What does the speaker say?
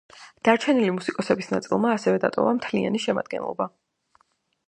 დარჩენილი მუსიკოსების ნაწილმა ასევე დატოვა მთლიანი შემადგენლობა.